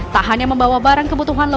tak hanya membawa barang kebutuhan